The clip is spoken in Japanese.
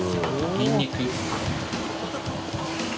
ニンニク？